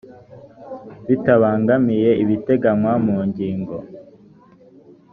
bitabangamiye ibiteganywa mu ingingo